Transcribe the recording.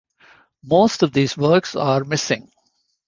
Most of these works are missing.